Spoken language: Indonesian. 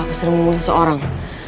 aku sedang membunuh seorang